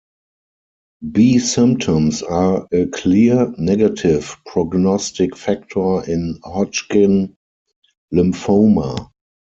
B symptoms are a clear negative prognostic factor in Hodgkin lymphoma.